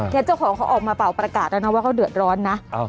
เจ้าของเขาออกมาเป่าประกาศแล้วนะว่าเขาเดือดร้อนนะ